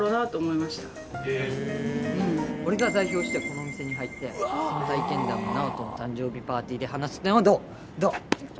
俺が代表してこのお店に入ってその体験談をナオトの誕生日パーティーで話すってのはどう？